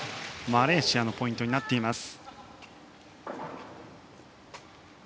マレーシアのポイントになっています。